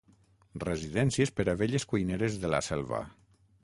Residències per a velles cuineres de la Selva.